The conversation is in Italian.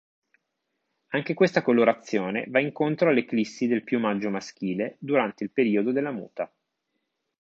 Anche questa colorazione va incontro all'eclissi del piumaggio maschile durante il periodo della muta.